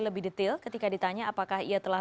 lebih detail ketika ditanya apakah ia telah